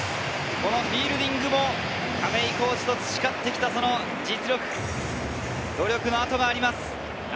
フィールディングも亀井コーチと培ってきた実力、努力のあとがあります。